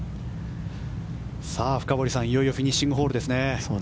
深堀さん、いよいよフィニッシングホールですね。